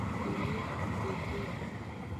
nikilia na kudhii